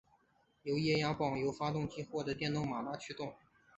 而液压泵由发动机或者电动马达驱动。